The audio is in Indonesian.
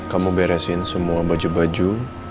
kamu beresin semua baju baju